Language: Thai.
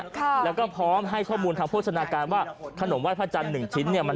ค่ะแล้วก็พร้อมให้ข้อมูลทางโฆษณาการว่าขนมไห้พระจันทร์หนึ่งชิ้นเนี่ยมัน